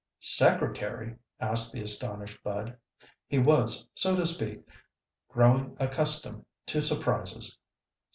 "Secretary?" asked the astonished Bud. He was, so to speak, growing accustomed to surprises.